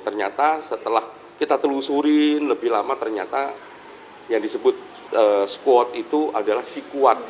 ternyata setelah kita telusuri lebih lama ternyata yang disebut squad itu adalah si kuat